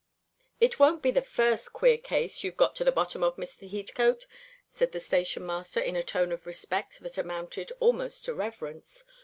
"It won't be the first queer case you've got to the bottom of, Mr. Heathcote," said the station master, in a tone of respect that amounted almost to reverence.